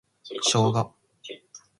ショウガ